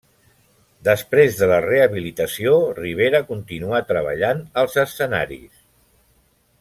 Després de la rehabilitació, Rivera continuà treballant als escenaris.